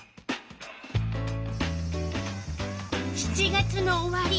７月の終わり。